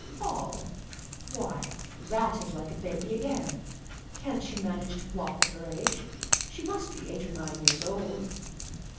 "Fall! why, that is like a baby again! Can't she manage to walk at her age? She must be eight or nine years old."